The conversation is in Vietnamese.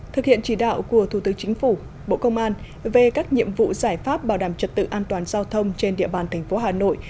thực hiện chỉ đạo của thủ tướng chính phủ bộ công an về các nhiệm vụ giải pháp bảo đảm trật tự an toàn giao thông trên địa bàn thành phố hà nội